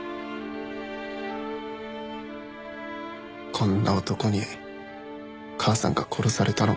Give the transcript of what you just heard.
こんな男に母さんが殺されたのか。